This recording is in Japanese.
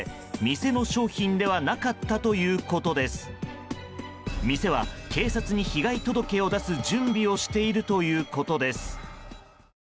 店は警察に被害届を出す準備をしているということです。